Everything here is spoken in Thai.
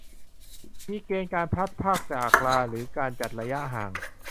มีเกณฑ์การพลัดพรากจากลาหรือการจัดระยะห่าง